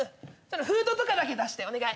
フードとかだけ出してお願い。